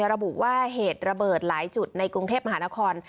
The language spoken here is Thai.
ระบุว่าเหตุระเบิดหลายจุดในกรุงเทพมหานคร